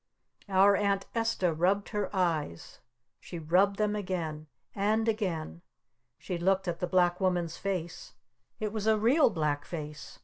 Our Aunt Esta rubbed her eyes! She rubbed them again! And again! She looked at the Black Woman's face. It was a real black face.